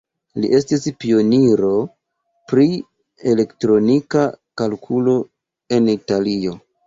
Li estis pioniro pri elektronika kalkulo en Italio.